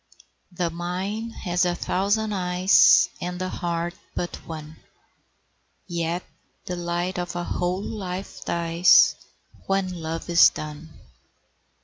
The mind has a thousand eyes, And the heart but one; Yet the light of a whole life dies When love is done.